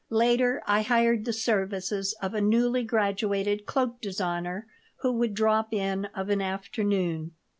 Later I hired the services of a newly graduated cloak designer who would drop in of an afternoon.